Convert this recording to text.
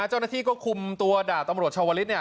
เจ้าหน้าที่ก็คุมตัวดาบตำรวจชาวลิศ